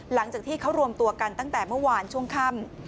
หลังจากที่เขารวมตัวกันตั้งแต่เมื่อวานช่วงค่ำ